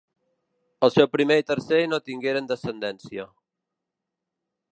El seu primer i tercer no tingueren descendència.